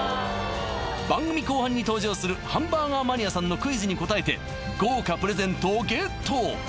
番組後半に登場するハンバーガーマニアさんのクイズに答えて豪華プレゼントをゲット！